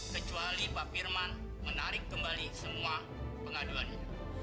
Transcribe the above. kecuali pak firman menarik kembali semua pengaduannya